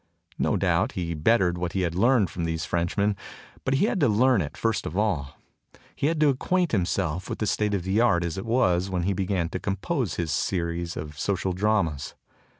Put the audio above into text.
No doubt, he bettered what he had learned from these Frenchmen, but he had to learn it, first of all; he had to acquaint himself with the state of the art as it was when he began to compose his series of social dramas.